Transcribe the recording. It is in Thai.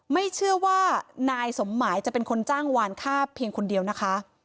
ไม่เชื่อว่านายสมหมายจะเป็นคนจ้างวานค่าเพียงคนเดียวนะคะ